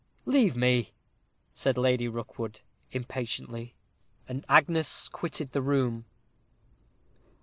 "Leave me," said Lady Rookwood, impatiently. And Agnes quitted the room.